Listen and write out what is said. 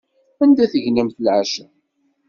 Anda tegnemt leɛca?